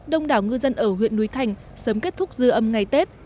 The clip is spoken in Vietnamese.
đông đảo ngư dân ở huyện núi thành sớm kết thúc dư âm ngày tết